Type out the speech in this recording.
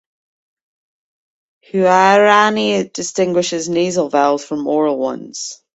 Huaorani distinguishes nasal vowels from oral ones.